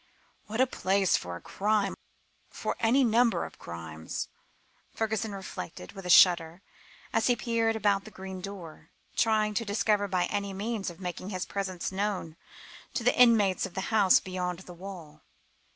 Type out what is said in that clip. "What a place for a crime for any number of crimes," Fergusson reflected, with a shudder, as he peered about the green door, trying to discover any means of making his presence known to the inmates of the house beyond the wall.